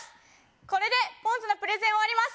これでポンズのプレゼン終わります。